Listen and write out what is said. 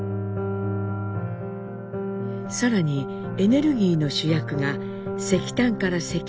更にエネルギーの主役が石炭から石油に転換。